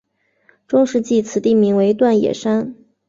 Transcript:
中世纪此地名为锻冶山。